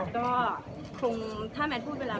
ก็คงถ้าแมทพูดไปแล้ว